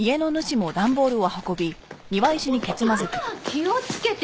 気をつけて。